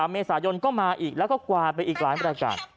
เมษายนก็มาอีกแล้วก็กวาดไปอีกหลายรายการ